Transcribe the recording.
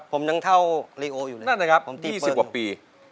ผมยังเท่าลีโออยู่เลย